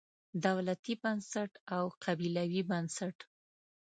دولتي بنسټ او قبیلوي بنسټ.